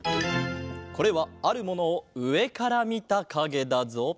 これはあるものをうえからみたかげだぞ。